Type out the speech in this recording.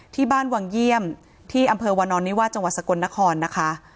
ที่บ้านวังเยี่ยมที่อำเภอวานอนนิวาสจังหวัดสกลนครนะคะ